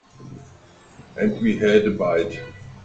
And we had a bite.